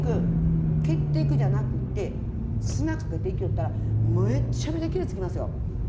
蹴っていくじゃなくって砂かけていきよったらめっちゃめちゃ傷つきますよ。